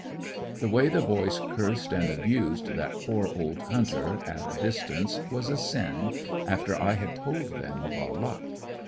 The way the boys cursed and abused that poor old hunter, at a distance, was a sin, after I had told them of our luck.